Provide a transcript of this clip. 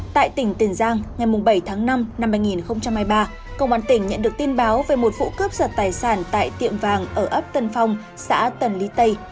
tại tỉnh tiền giang ngày bảy tháng năm năm hai nghìn hai mươi ba công an tỉnh nhận được tin báo về một vụ cướp giật tài sản tại tiệm vàng ở ấp tân phong xã tần lý tây